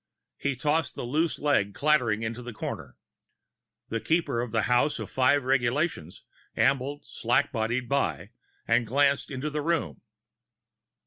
He tossed the loose leg clattering into a corner. The Keeper of the House of Five Regulations ambled slack bodied by and glanced into the room.